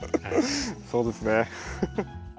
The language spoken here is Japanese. そうですね。